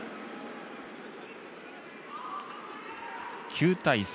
９対３。